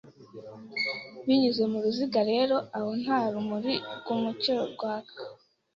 Binyuze mu ruziga rero aho nta rumuri rw'umucyo rwaka